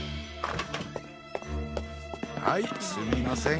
はいすみません。